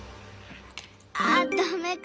あっダメか。